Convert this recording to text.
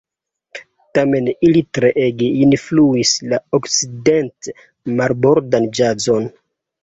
Tamen ili treege influis la okcident-marbordan ĵazon.